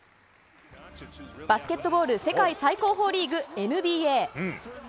バスケットボール世界最高峰リーグ、ＮＢＡ。